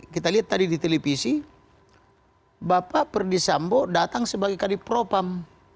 kita lihat tadi di televisi bapak perdisambo datang sebagai kadipropam